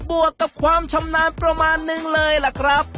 วกกับความชำนาญประมาณนึงเลยล่ะครับ